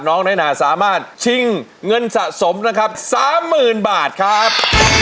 น้องน้อยนาสามารถชิงเงินสะสมนะครับสามหมื่นบาทครับ